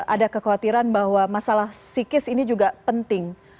ada kekhawatiran bahwa masalah psikis ini juga penting